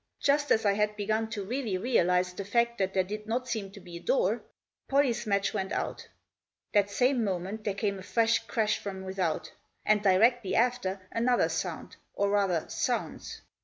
Just as I had begun to really realise the fact that there did not seem to be a door, Pollie's match went out That same moment there came a fresh crash from without And, directly after, another sound, or, rather, sounds.